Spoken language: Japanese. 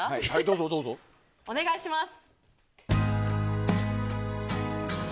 お願いします。